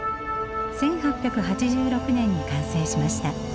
１８８６年に完成しました。